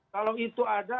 kalau itu ada